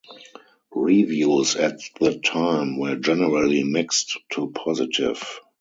Reviews at the time were generally mixed-to-positive.